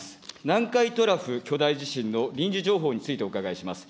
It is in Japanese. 南海トラフ巨大地震の臨時情報についてお伺いします。